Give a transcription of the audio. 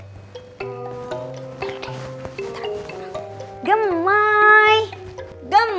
gemoy gemoy gemoy udah bangun